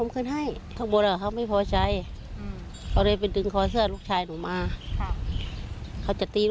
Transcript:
มคือไอ้เด็กประวัติหญิงพวกเองและนายรักของผม